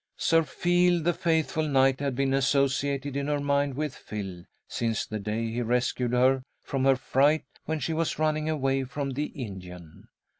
Sir Feal, the faithful knight, had been associated in her mind with Phil, since the day he rescued her from her fright when she was running away from the Indian.